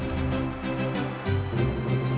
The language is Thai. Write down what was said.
ได้รับความยุติธรรมหรือไม่นะครับ